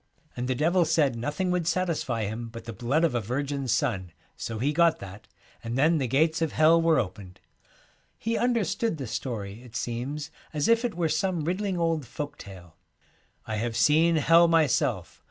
And 76 the devil said nothing would satisfy him Happy and but the blood of a virgin's son, so he got Theologians. that, and then the gates of Hell were opened.' He understood the story, it seems, as if it were some riddling old folk tale. ' I have seen Hell myself.